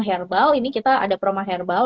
herbal ini kita ada proma herbal